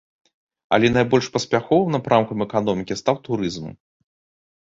Але найбольш паспяховым напрамкам эканомікі стаў турызм.